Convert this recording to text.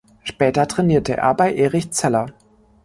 Später trainierte er bei Erich Zeller.